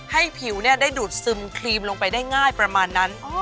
ผิวได้ดูดซึมครีมลงไปได้ง่ายประมาณนั้น